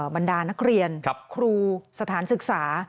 บรรดานักเรียนครูสถานศึกษา